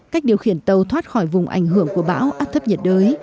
cách điều khiển tàu thoát khỏi vùng ảnh hưởng của bão áp thấp nhiệt đới